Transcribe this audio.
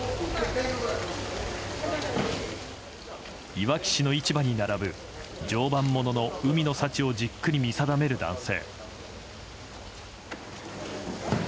いわき市の市場に並ぶ常磐ものの海の幸をじっくり見定める男性。